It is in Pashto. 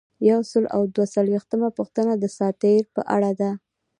یو سل او دوه څلویښتمه پوښتنه د دساتیر په اړه ده.